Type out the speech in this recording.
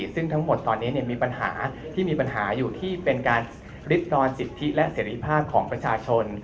ซึ่งทั้งหมดตอนนี้มีปัญหาที่มีปัญหาอยู่ที่เป็นการริดรอนสิทธิและเสรีภาพของประชาชน